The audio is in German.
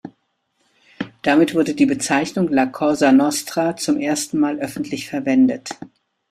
Damit wurde die Bezeichnung „La Cosa Nostra“ zum ersten Mal öffentlich verwendet.